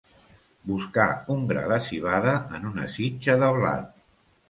Buscar un gra de civada en una sitja de blat.